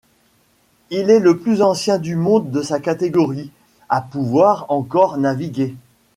Il est le plus ancien du monde de sa catégorie à pouvoir encore naviguer.